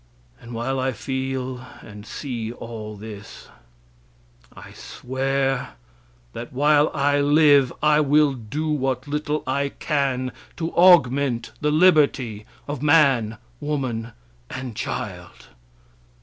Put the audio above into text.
And while I feel and see all this, I swear that while I live I will do what little I can to augment the liberty of man, woman and child.